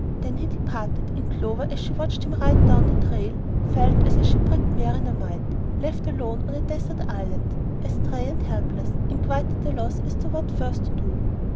Then he departed, and Clover, as she watched him ride down the trail, felt as a shipwrecked mariner might, left alone on a desert island, astray and helpless, and quite at a loss as to what first to do.